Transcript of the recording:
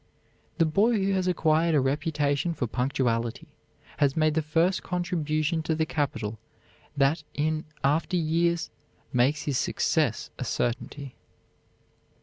The boy who has acquired a reputation for punctuality has made the first contribution to the capital that in after years makes his success a certainty."